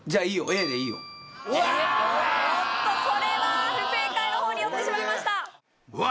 Ａでいいようわーおっとこれは不正解のほうに寄ってしまいましたうわ